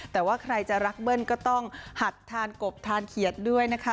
แต่ว่าใครจะรักเบิ้ลก็ต้องหัดทานกบทานเขียดด้วยนะคะ